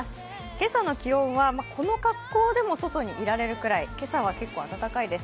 今朝の気温はこの格好でも外にいられるくらい、今朝は結構、暖かいです。